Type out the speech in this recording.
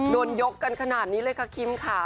โดนยกกันขนาดนี้เลยค่ะคิมค่ะ